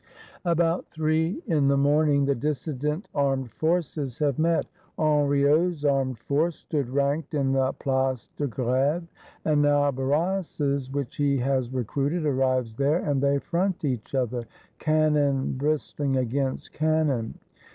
About three in the morning, the dissident Armed Forces have met. Henriot's Armed Force stood ranked in the Place de Greve; and now Barras's, which he has recruited, arrives there, and they front each other, can non bristling against cannon.